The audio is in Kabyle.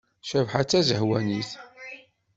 Cabḥa d tazehwanit.